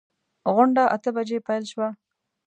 غونډه اته بجې پیل شوه.